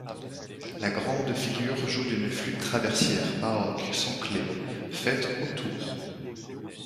La grande figure joue d'une flûte traversière baroque sans clés, faite au tour.